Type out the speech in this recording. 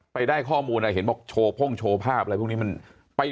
ไปได้ข้อมูลเห็นบอกโชว์พ่งโชว์ภาพอะไรพวกนี้มันไป